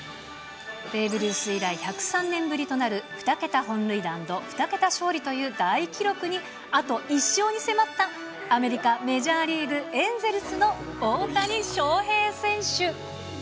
ベーブ・ルース以来１０３年ぶりとなる２桁本塁打＆２桁勝利という大記録にあと１勝に迫った、アメリカメジャーリーグ・エンゼルスの大谷翔平選手。